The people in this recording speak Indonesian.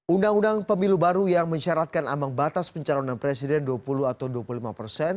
undang undang pemilu baru yang mensyaratkan ambang batas pencalonan presiden dua puluh atau dua puluh lima persen